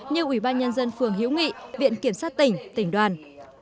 như ủy ban nhân dân phường hữu nghị viện kiểm sát tỉnh tỉnh đoàn